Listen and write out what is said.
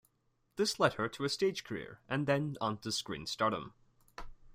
This led her to a stage career and then on to screen stardom.